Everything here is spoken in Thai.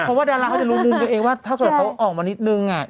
เพราะว่าดาราเขาจะรู้มุมตัวเองว่าถ้าเกิดเขาออกมานิดนึง